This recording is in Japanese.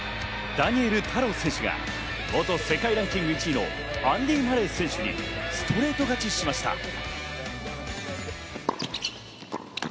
ダニエル太郎選手が、元世界ランキング１位のアンディ・マレー選手にストレート勝ちしました。